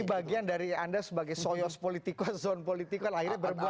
ini bagian dari anda sebagai sojos politikus zon politikus akhirnya berbahaya